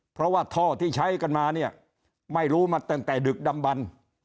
เพราะว่าท่อที่ใช้กันมาเนี่ยไม่รู้มาตั้งแต่ดึกดำบัน